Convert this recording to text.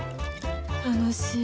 楽しい。